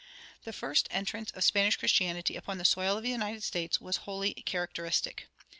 The first entrance of Spanish Christianity upon the soil of the United States was wholly characteristic.